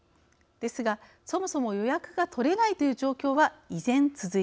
ですがそもそも予約がとれないという状況は依然続いています。